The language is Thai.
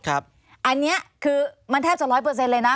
อันนี้คือมันแทบจะร้อยเปอร์เซ็นต์เลยนะ